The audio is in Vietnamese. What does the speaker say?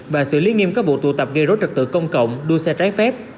và xử lý nghiêm các vụ tụ tập gây rối trật tự công cộng đua xe trái phép